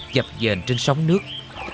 chập dền trên sóng nước